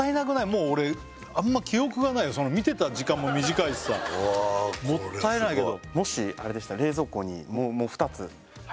もう俺あんま記憶がない見てた時間も短いしさもったいないけどもしあれでしたらマジで？